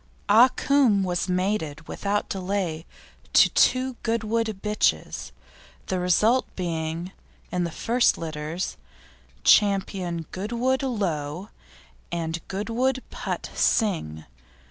Ah Cum was mated without delay to two Goodwood bitches, the result being, in the first litters, Ch. Goodwood Lo and Goodwood Put Sing.